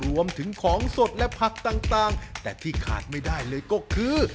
รวมถึงของสดและผักต่างแต่ที่ขาดไม่ได้เลยก็คือ